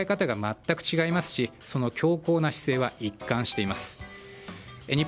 特に中国は国の仕組みや考え方が全く違いますしその強硬な姿勢は一貫しています。